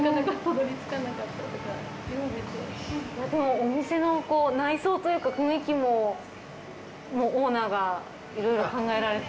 お店の内装というか雰囲気もオーナーがいろいろ考えられて？